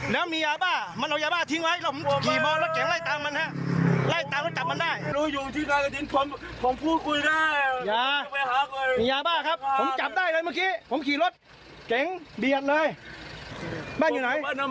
ผมไม่ได้ข้างจริงผมมาหาของห้าง